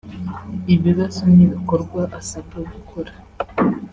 ibibazo n’ibikorwa asabwa gukora